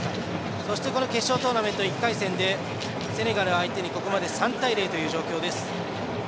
そして決勝トーナメント１回戦でセネガル相手にここまで３対０という状況です。